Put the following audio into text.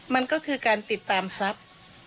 มันก็คือการติดตามทรัพย์